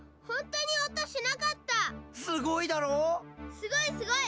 すごいすごい！